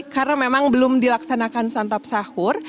karena memang belum dilaksanakan santap sahur